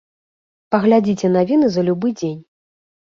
Паглядзіце навіны за любы дзень.